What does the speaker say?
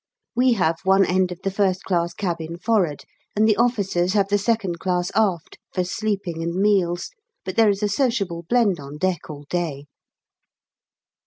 We have one end of the 1st class cabin forrard, and the officers have the 2nd class aft for sleeping and meals, but there is a sociable blend on deck all day.